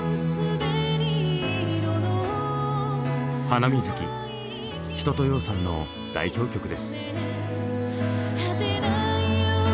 「ハナミズキ」一青窈さんの代表曲です。